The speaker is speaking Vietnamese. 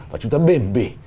và chúng tôi bền bỉ